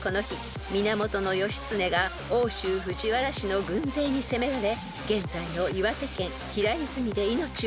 ［源義経が奥州藤原氏の軍勢に攻められ現在の岩手県平泉で命を落としました］